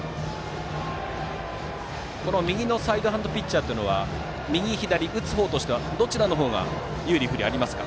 右サイドハンドのピッチャーというのは右と左、打つ方としてはどちらの方が有利、不利ありますか。